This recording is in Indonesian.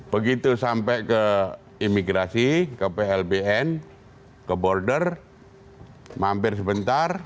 begitu sampai ke imigrasi ke plbn ke border mampir sebentar